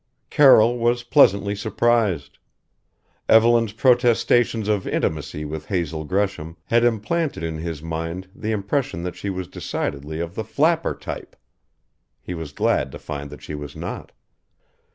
Carroll was pleasantly surprised. Evelyn's protestations of intimacy with Hazel Gresham had implanted in his mind the impression that she was decidedly of the flapper type. He was glad to find that she was not.